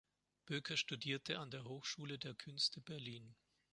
Böker studierte an der Hochschule der Künste Berlin.